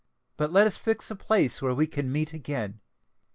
But let us fix a place where we can meet again.